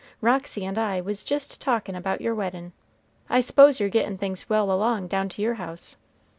Roxy and I was jist talkin' about your weddin'. I s'pose you're gettin' things well along down to your house.